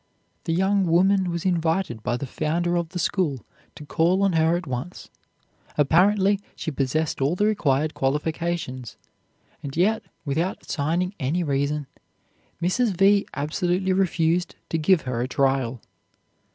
The young woman was invited by the founder of the school to call on her at once. Apparently she possessed all the required qualifications; and yet, without assigning any reason, Mrs. V. absolutely refused to give her a trial.